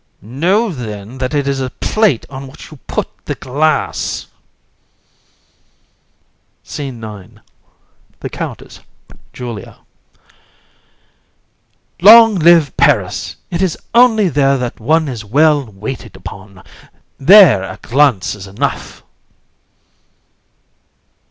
COUN. Know, then, that it is a plate on which you put the glass. SCENE IX. THE COUNTESS, JULIA. COUN. Long live Paris! It is only there that one is well waited upon; there a glance is enough.